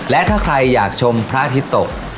และถ้าใครอยากชมพระอาทิตย์ตก